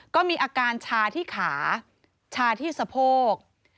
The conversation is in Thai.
ก็มีอาการชาที่ขาชาที่สะโพก